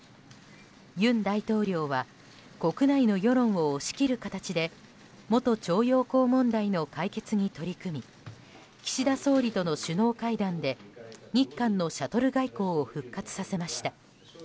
尹大統領は国内の世論を押し切る形で元徴用工問題の解決に取り組み岸田総理との首脳会談で日韓のシャトル外交を復活させました。